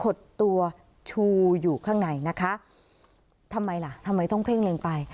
หดตัวชูอยู่ข้างในนะคะทำไมล่ะทำไมต้องเพ่งเล็งไป